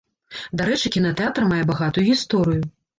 Дарэчы, кінатэатр мае багатую гісторыю.